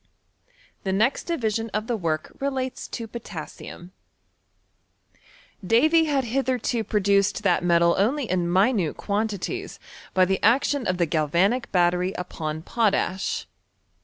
The next division of tlie work relates to potassium* Davy had hitherto produced that metal only in mi nute quantities by the action of the galvanic battery upon potash.